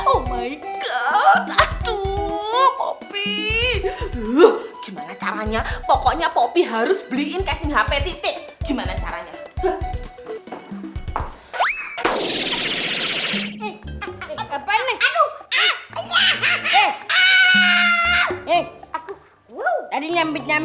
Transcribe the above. oh my god aduh popi lu gimana caranya pokoknya popi harus beliin casing hp titik gimana caranya